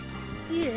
いえ